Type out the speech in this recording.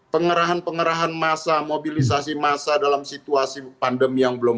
pengerahan pengerahan masa mobilisasi massa dalam situasi pandemi yang belum